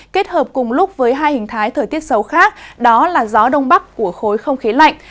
kết hợp cùng lúc với hai hình thái thời tiết xấu khác đó là gió đông bắc của khối không khí lạnh